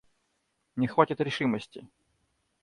Не хватит решимости.